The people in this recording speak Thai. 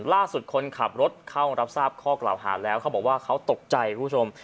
คนขับรถเข้ารับทราบข้อกล่าวหาแล้วเขาบอกว่าเขาตกใจคุณผู้ชม